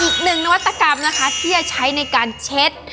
อีกหนึ่งนวัตกรรมนะคะที่จะใช้ในการเช็ด